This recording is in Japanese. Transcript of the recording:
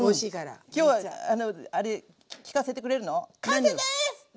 きょうはあれ聞かせてくれるの？